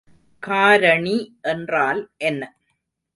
காரணி என்றால் என்ன?